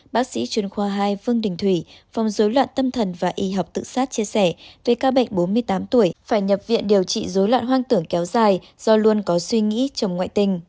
bác sĩ chuyên khoa hai vương đình thủy phòng dối loạn tâm thần và y học tự sát chia sẻ về ca bệnh bốn mươi tám tuổi phải nhập viện điều trị dối loạn hoang tưởng kéo dài do luôn có suy nghĩ chồng ngoại tình